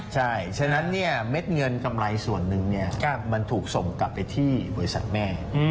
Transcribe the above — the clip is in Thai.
ใช่ฉะนั้นเม็ดเงินกำไรส่วนหนึ่งมันถูกส่งกลับไปที่บริษัทแม่